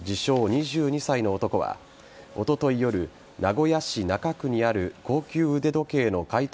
２２歳の男はおととい夜名古屋市中区にある高級腕時計の買取